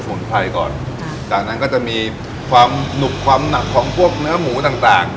มุนไพรก่อนค่ะจากนั้นก็จะมีความหนุบความหนักของพวกเนื้อหมูต่างต่าง